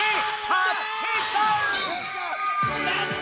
タッチダウン！